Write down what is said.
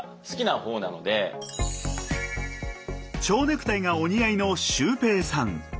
蝶ネクタイがお似合いのシュウペイさん。